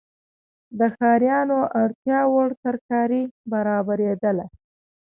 د ښاریانو اړتیاوړ ترکاري برابریدله.